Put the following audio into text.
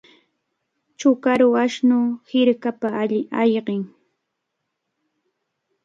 Chukaru ashnu hirkapa ayqin.